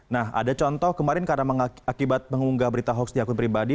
nah ada contoh kemarin karena mengakibat mengunggah berita hoax di akun pribadi